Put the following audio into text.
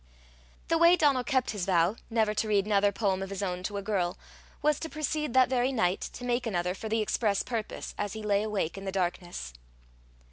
The way Donal kept his vow never to read another poem of his own to a girl, was to proceed that very night to make another for the express purpose, as he lay awake in the darkness.